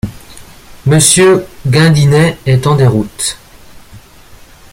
Monsieur Gindinet est en déroute.